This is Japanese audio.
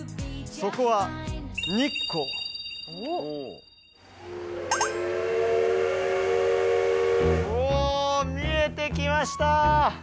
そこは日光おお見えてきました